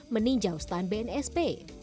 meninjau stand bnsp